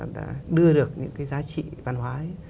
đưa được những cái giá trị văn hóa ấy